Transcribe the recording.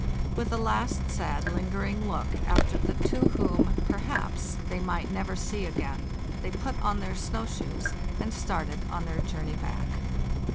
With a last sad lingering look after the two whom, perhaps, they might never see again, they put on their snow shoes and started on their journey back.